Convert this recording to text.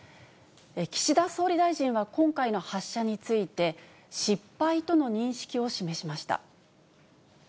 岸田総理大臣は今回の発射について、失敗との認識を示しました。